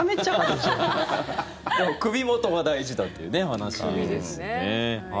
でも、首元は大事だというお話ですよね。